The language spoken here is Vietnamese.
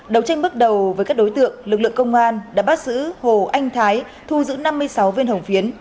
đầu tranh bước đầu với các đối tượng lực lượng công an đã bắt giữ hồ anh thái thu giữ năm mươi sáu viên hồng phiến